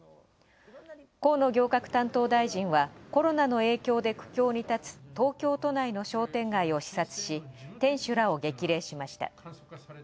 河野行革担当大臣は、コロナの影響で苦境に立つ東京都内の商店街を視察し、店主らを激励しました。